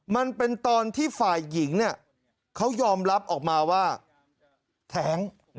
มันเป็นตอนที่ฝ่ายหญิงเนี่ยเขายอมรับออกมาว่าแท้ง